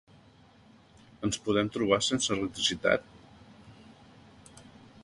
Ens podem trobar sense electricitat?